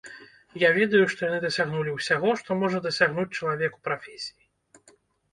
Я ведаю, што яны дасягнулі ўсяго, што можа дасягнуць чалавек у прафесіі.